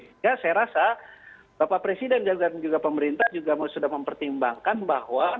sehingga saya rasa bapak presiden dan juga pemerintah juga sudah mempertimbangkan bahwa